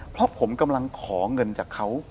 เพราะผมกำลังขอเงินจากเขา